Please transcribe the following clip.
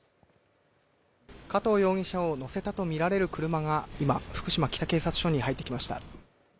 加藤容疑者を乗せたとみられる車が今、福島北警察署に入ってきました。